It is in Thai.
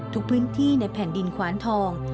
ทุกพื้นที่ในแผ่นดินขวานทอง